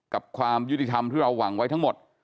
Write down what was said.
ความยุติธรรมที่เราหวังไว้ทั้งหมด